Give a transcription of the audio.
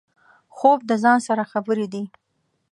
خوب د ځان سره خبرې دي